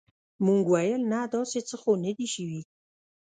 موږ ویل نه داسې څه خو نه دي شوي.